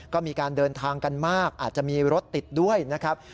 ก็มีการเดินทางกันมากอาจจะมีรถติดด้วยนะครับ